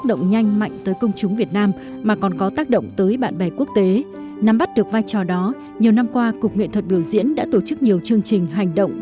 được vai trò đó nhiều năm qua cục nghệ thuật biểu diễn đã tổ chức nhiều chương trình hành động